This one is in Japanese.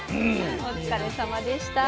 お疲れさまでした。